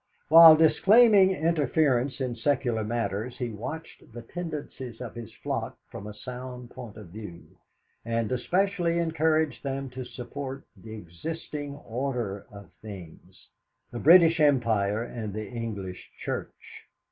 While disclaiming interference in secular matters, he watched the tendencies of his flock from a sound point of view, and especially encouraged them to support the existing order of things the British Empire and the English Church.